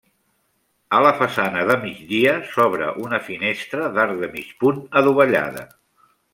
A la façana de migdia s'obre una finestra d'arc de mig punt adovellada.